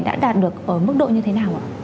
đã đạt được ở mức độ như thế nào ạ